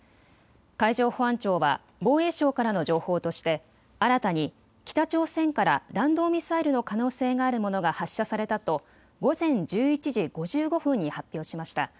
海上保安庁は防衛省からの情報として新たに北朝鮮から弾道ミサイルの可能性があるものが発射されたと午前１１時５５分に発表しました。